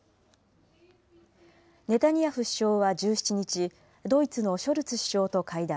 ネタニヤフ首相は１７日、ドイツのショルツ首相と会談。